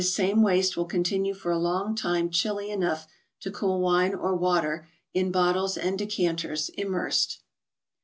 This same waste will continue for a long time chilly enough to cool wine or water, in bottles and decanters, immersed.